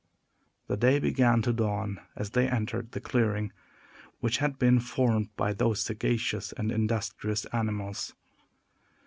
The day began to dawn as they entered the clearing which had been formed by those sagacious and industrious animals.